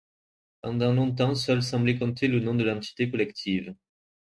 Pendant longtemps seule semblait compter le nom de l'entité collective.